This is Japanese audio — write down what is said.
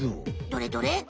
どれどれ？